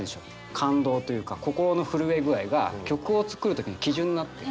感動というか心の震え具合が曲を作る時の基準になってる。